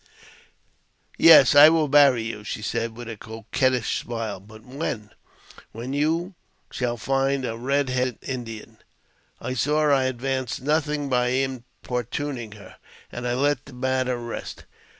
" Yes, I will marry you," she said, with a coquettish smile. ''But when?" *' When you shall find a red headed Indian." I saw I advanced nothing by importuning her, and I let the matter rest.